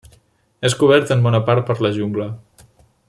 És cobert en bona part per la jungla.